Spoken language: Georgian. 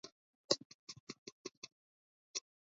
მდებარეობს საფრანგეთისა და იტალიის საზღვარზე.